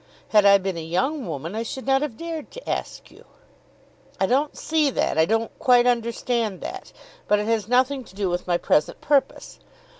Had I been a young woman I should not have dared to ask you." "I don't see that. I don't quite understand that. But it has nothing to do with my present purpose.